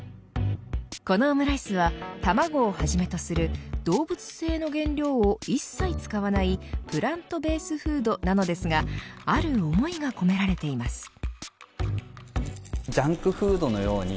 このオムライスは卵をはじめとする動物性の原料を一切使わないプラントベースフードなのですがある思いが込められています。